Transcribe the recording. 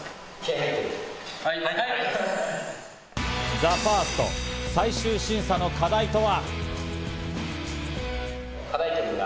ＴＨＥＦＩＲＳＴ、最終審査の課題とは？